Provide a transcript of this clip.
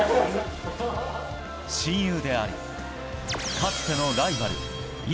親友であり、かつてのライバルイ・サンファ。